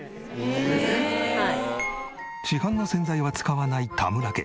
市販の洗剤は使わない田村家。